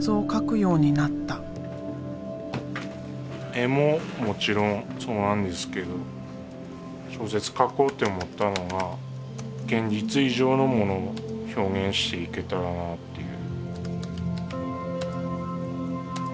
絵ももちろんそうなんですけど小説書こうって思ったのが現実以上のものを表現していけたらなっていう。